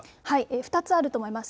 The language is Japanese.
２つあると思います。